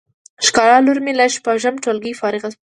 ښکلا لور می له شپږم ټولګی فارغه شوه